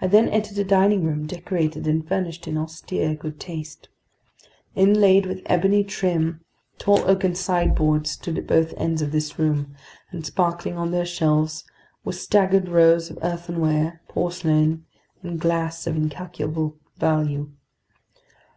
I then entered a dining room, decorated and furnished in austere good taste. Inlaid with ebony trim, tall oaken sideboards stood at both ends of this room, and sparkling on their shelves were staggered rows of earthenware, porcelain, and glass of incalculable value.